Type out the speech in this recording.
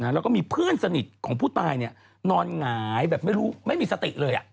แล้วก็มีเพื่อนสนิทของผู้ตายนอนหงายแบบไม่รู้ไม่มีสติเลย